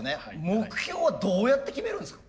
目標はどうやって決めるんですか？